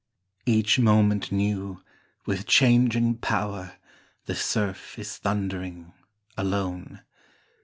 Each moment new, with changing power, The surf is thundering, alone.